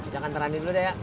jangan terani dulu ya